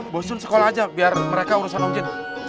bosun sekolah aja biar mereka urusan om jin